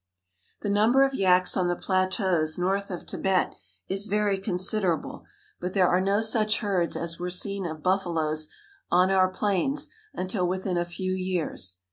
The number of yaks on the plateaus north of Tibet is very considerable, but there are no such herds as were seen of buffaloes on our plains until within a few years.